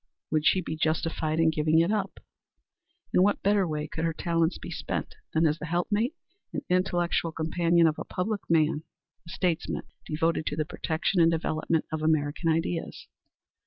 Would she be justified in giving it up? In what better way could her talents be spent than as the helpmate and intellectual companion of a public man a statesman devoted to the protection and development of American ideas?